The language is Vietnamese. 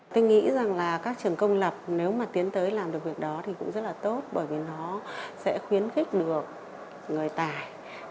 tôi nghĩ rằng là các trường công lập nếu mà tiến tới làm được việc đó thì cũng rất là tốt bởi vì nó sẽ khuyến khích được người tài